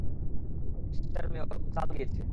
Mister mayor, ও চাল দিয়েছে।